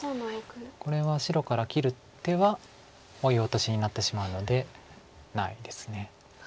これは白から切る手はオイオトシになってしまうのでないです。